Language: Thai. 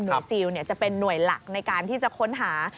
ซิลจะเป็นหน่วยหลักในการที่จะค้นหา